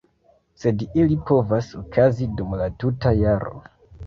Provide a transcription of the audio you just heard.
Sed ili povas okazi dum la tuta jaro.